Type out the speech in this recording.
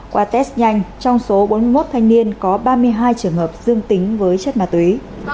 qua test nhanh trong số bốn mươi một thanh niên có ba mươi hai trường hợp dương tính với chất ma túy